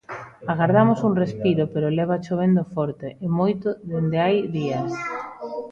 Agardamos un respiro pero leva chovendo forte, e moito, dende hai días.